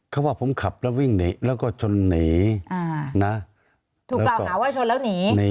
เขาว่าผมขับแล้ววิ่งหนีแล้วก็ชนหนีนะ